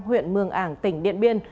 huyện mương ảng tỉnh điện biên